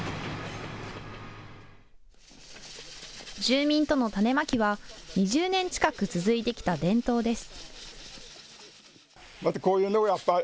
住民との種まきは２０年近く続いてきた伝統です。